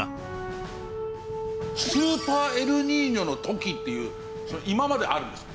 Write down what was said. スーパーエルニーニョの時っていう今まであるんですか？